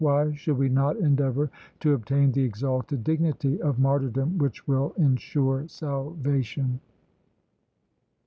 Why should we not endeavour to obtain the exalted dignity of martyrdom which will ensure salvation